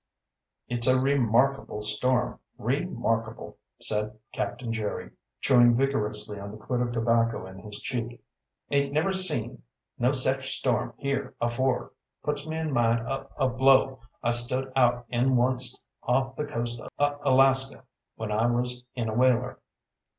"It's a re markable storm re markable," said Captain Jerry, chewing vigorously on the quid of tobacco in his cheek. "Aint never seen no sech storm here afore. Puts me in mind o' a blow I stood out in onct off the coast o' Alaska when I was in a whaler.